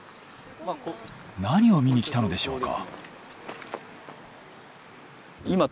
何を見にきたのでしょうか？